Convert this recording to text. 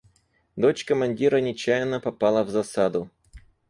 Дочь командира нечаянно попала в засаду.